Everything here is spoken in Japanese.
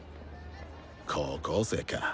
高校生か。